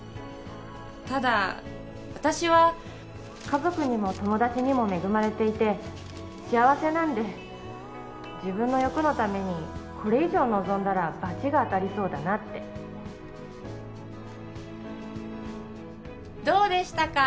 ただ私は家族にも友達にも恵まれていて幸せなんで自分の欲のためにこれ以上望んだらバチが当たりそうだなってどうでしたか？